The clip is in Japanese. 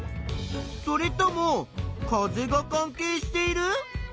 それとも風が関係している？